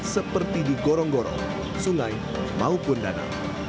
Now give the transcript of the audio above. seperti di gorong gorong sungai maupun danau